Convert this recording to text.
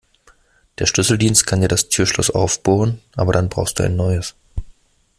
Der Schlüsseldienst kann dir das Türschloss aufbohren, aber dann brauchst du ein neues.